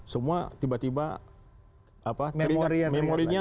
semua tiba tiba memori memori